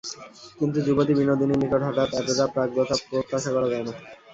কিন্তু যুবতী বিনোদিনীর নিকট হঠাৎ এতটা প্রাজ্ঞতা প্রত্যাশা করা যায় না।